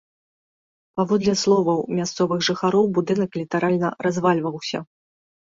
Паводле словаў мясцовых жыхароў, будынак літаральна развальваўся.